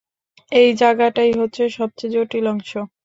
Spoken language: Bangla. এই জায়গাটাই হচ্ছে সবচেয়ে জটিল অংশ।